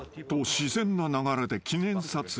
自然な流れで記念撮影］